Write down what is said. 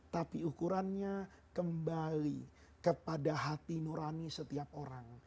tapi ukurannya kembali kepada hati nurani setiap orang